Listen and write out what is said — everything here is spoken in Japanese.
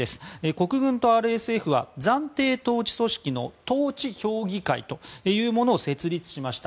国軍とＲＳＦは暫定統治組織の統治評議会というものを設立しました。